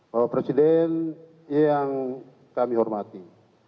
bapak presiden yang kami hormati